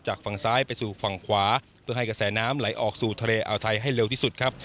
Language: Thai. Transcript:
ฝั่งซ้ายไปสู่ฝั่งขวาเพื่อให้กระแสน้ำไหลออกสู่ทะเลอาวไทยให้เร็วที่สุดครับ